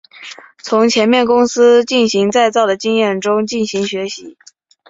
从前面公司进行再造的经验中进行学习。